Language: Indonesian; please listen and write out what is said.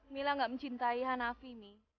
mila gak mencintai hanafi nih